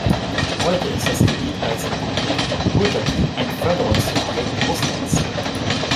Heute ist das Gebiet als Republik Burjatien ein Föderationssubjekt Russlands.